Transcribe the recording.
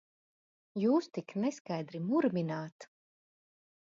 Jūs tik neskaidri murmināt!